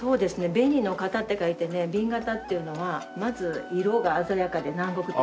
「紅の型」って書いて紅型っていうのはまず色が鮮やかで南国的。